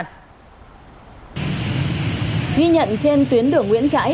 nghi nhận trên tuyến đường nguyễn trãi